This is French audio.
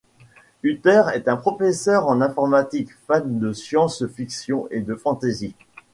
Uther est un professeur en informatique fan de Science Fiction et de Fantasy.